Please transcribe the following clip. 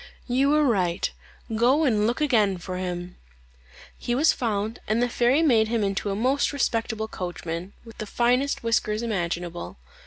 "You are right; go and look again for him." He was found, and the fairy made him into a most respectable coachman, with the finest whiskers imaginable.